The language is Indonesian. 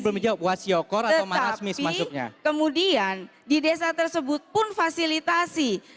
tetapi kemudian di desa tersebut pun fasilitasi